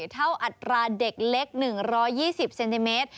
อัตราเด็กเล็ก๑๒๐เซนติเมตร